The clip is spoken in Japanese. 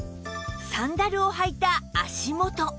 サンダルを履いた足元